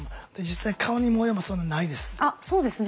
実際顔に模様もそんなないです。